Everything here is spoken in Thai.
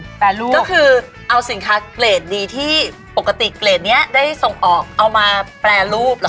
แปรรูปก็คือเอาสินค้าเกรดดีที่ปกติเกรดนี้ได้ส่งออกเอามาแปรรูปเหรอ